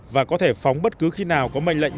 và có thể phóng bất cứ khi nào có mệnh lệnh